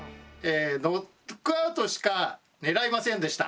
ノックアウトしか狙いませんでした。